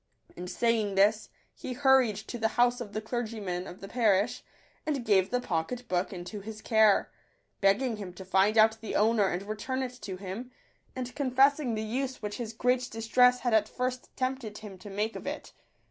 And saying this, he hurried to the house of the clergyman of the parish, and gave the pocket book into his care, begging him to find out the owner and re || turn it to him, and confessing the use which his great distress had at first tempted him to make of it.